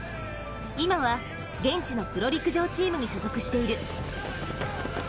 今は現地のプロ陸上チームに所属している。